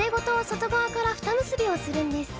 外がわからふた結びをするんです。